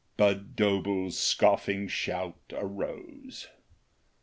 " Budd Doble's scoffing shout arose.